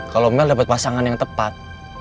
kalo mel dapet pasangan yang tepat